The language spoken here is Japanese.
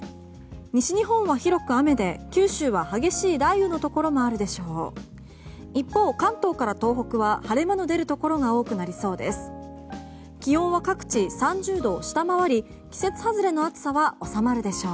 西日本は広く雨で九州は激しい雷雨のところもあるでしょう。